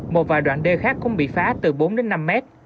một vài đoạn đê khác cũng bị phá từ bốn năm m